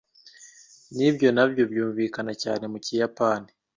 Nibyo nabyo byumvikana cyane mu kiyapani.